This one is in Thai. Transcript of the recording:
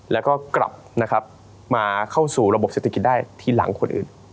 แล้วก็กลับนะครับมาเข้าสู่ระบบเศรษฐกิจได้ทีหลังคนอื่น